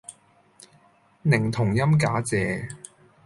寧同音假借